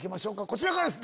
こちらからです！